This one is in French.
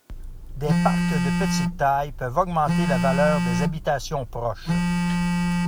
Des parcs de petite taille peuvent augmenter la valeur des habitations proches.